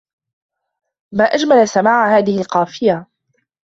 ما أجمل سماع هذه القافية